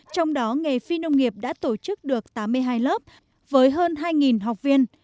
trong đó nghề phi nông nghiệp đã tổ chức được tám mươi hai lớp với hơn hai học viên